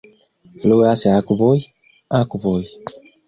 Fluas akvoj, akvoj.